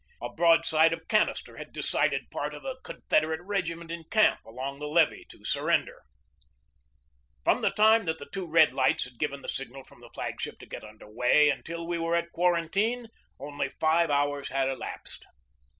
A broadside of canister had decided part of a Confed erate regiment in camp along the levee to surrender. 72 GEORGE DEWEY From the time that the two red lights had given the signal from the flag ship to get under way until we were at quarantine only five hours had elapsed.